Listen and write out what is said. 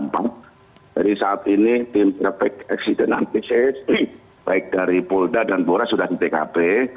jadi saat ini tim terbaik eksiden antik cst baik dari polda dan bora sudah di tkp